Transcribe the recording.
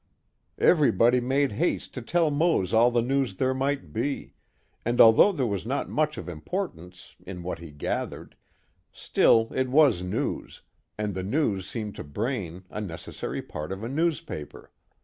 Everybody made haste to tell Mose all the news there might be; and, although there was not much of importance in what he gathered, still it was news, and the news seemed to Braine a necessary part of a newspaper.